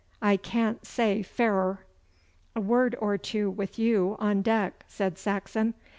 I can't say fairer!' 'A word or two with you on deck!' said Saxon.